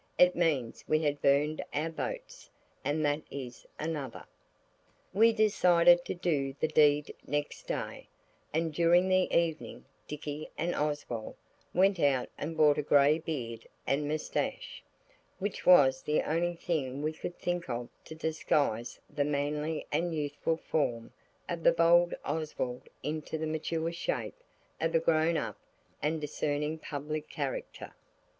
It means we had burned our boats. And that is another.) We decided to do the deed next day, and during the evening Dicky and Oswald went out and bought a grey beard and moustache, which was the only thing we could think of to disguise the manly and youthful form of the bold Oswald into the mature shape of a grown up and discerning public character.